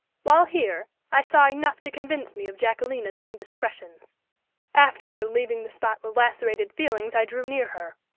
While here, I saw enough to convince me of Jacquelina's indiscretions. Afterward leaving the spot with lacerated feelings I drew near her.